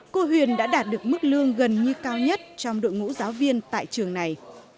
cô huyền đã đạt được mức lương gần như cao nhất trong đội ngũ giáo viên tại trường này